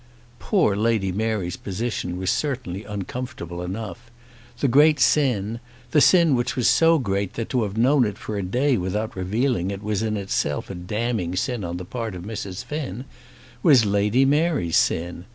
Poor Lady Mary's position was certainly uncomfortable enough. The great sin, the sin which was so great that to have known it for a day without revealing it was in itself a damning sin on the part of Mrs. Finn, was Lady Mary's sin.